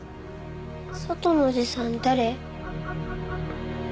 外のおじさん誰？